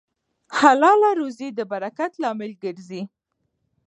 حلاله روزي د برکت لامل ګرځي.